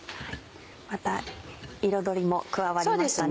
また彩りも加わりましたね。